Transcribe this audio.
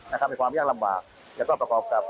มีความยากลำบากแล้วก็ประกอบกับ